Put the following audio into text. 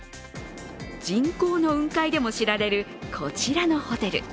人工の雲海でも知られるこちらのホテル。